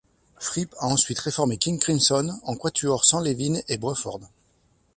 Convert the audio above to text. Fripp a ensuite réformé King Crimson en quatuor sans Levin et Bruford.